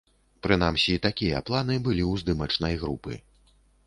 Прынамсі, такія планы былі ў здымачнай групы.